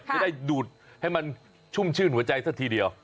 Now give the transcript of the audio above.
จะได้ดูดให้มันชุ่มชื่นหัวใจซะทีเดียว